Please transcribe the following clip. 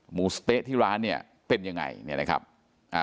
หมูสะเต๊ะที่ร้านเนี่ยเป็นยังไงเนี่ยนะครับอ่า